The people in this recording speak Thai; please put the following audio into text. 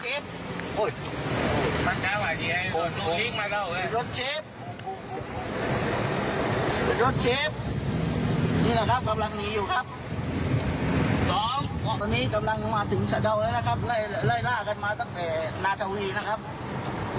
ตอนนี้กำลังมาถึงเศร้าแล้วนะครับไล่ล่ากันมาตั้งแต่นาทาวีนะครับ